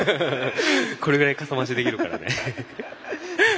これぐらいかさましできるからね。